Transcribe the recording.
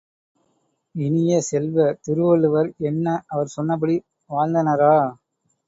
இனிய செல்வ, திருவள்ளுவர் என்ன அவர் சொன்னபடி வாழ்ந்தனரா?